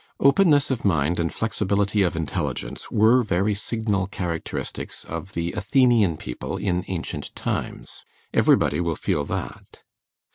Openness of mind and flexibility of intelligence were very signal characteristics of the Athenian people in ancient times; everybody will feel that.